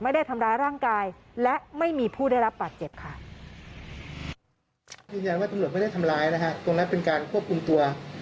ทำร้ายร่างกายและไม่มีผู้ได้รับบาดเจ็บค่ะ